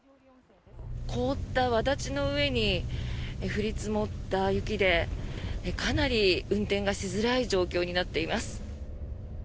凍ったわだちの上に降り積もった雪でかなり運転がしづらい状況になっています。